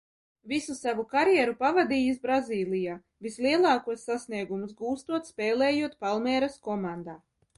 "Visu savu karjeru pavadījis Brazīlijā, vislielākos sasniegumus gūstot, spēlējot "Palmeiras" komandā."